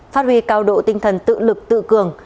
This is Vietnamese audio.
phát huy cao độ tinh thần tự lực tự cường